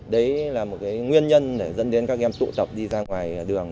đấy là một nguyên nhân để dẫn đến các em tụ tập đi ra ngoài đường